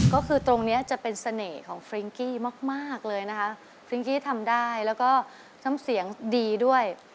ก็คือตรงเนี้ยจะเป็นเสน่ห์ของฟริ้งกี้มากมากเลยนะคะฟริ้งกี้ทำได้แล้วก็น้ำเสียงดีด้วย